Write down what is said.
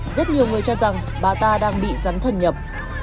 rất nhiều người cho rằng bà ta đang bị rắn thần nhập